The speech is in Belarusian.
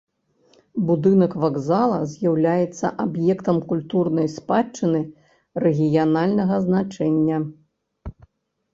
Будынак вакзала з'яўляецца аб'ектам культурнай спадчыны рэгіянальнага значэння.